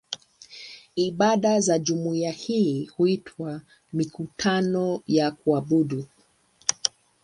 Ibada za jumuiya hii huitwa "mikutano ya kuabudu".